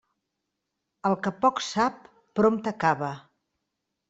El que poc sap, prompte acaba.